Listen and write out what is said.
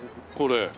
これ。